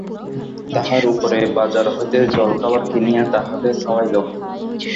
তাহার উপরে বাজার হইতে জলখাবার কিনিয়া তাহাকে খাওয়াইল।